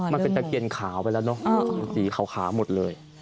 มันเป็นตะเคียนขาวไปแล้วเนอะสีขาวหมดเลย